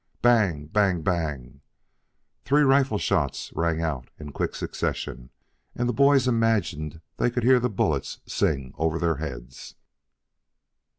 Bang, bang, bang! Three rifle shots rang out in quick succession, and the boys imagined they could hear the bullets sing over their heads.